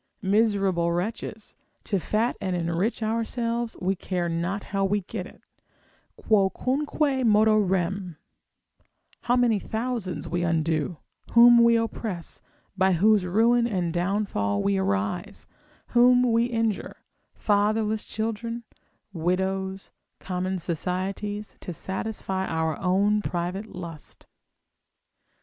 Miserable wretches, to fat and enrich ourselves, we care not how we get it, Quocunque modo rem; how many thousands we undo, whom we oppress, by whose ruin and downfall we arise, whom we injure, fatherless children, widows, common societies, to satisfy our own private lust.